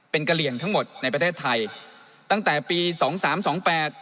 เป็นกะเหลี่ยงทั้งหมดในประเทศไทยตั้งแต่ปีสองสามสองแปด